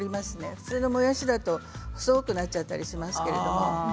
普通のもやしだと細くなっちゃったりしますけど。